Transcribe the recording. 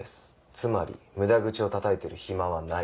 つまり無駄口をたたいてる暇はない。